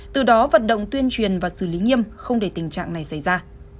từ đó vận động tuyên truyền và xử lý nghiêm không để tình trạng này xảy ra